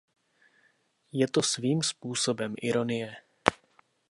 Je to svým způsobem ironie.